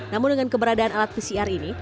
namun dengan keberadaan alat pcr ini